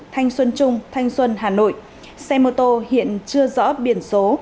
thanh xuân trung thanh xuân hà nội xe mô tô hiện chưa rõ biển số